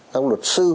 các luật sư